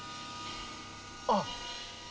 あっ！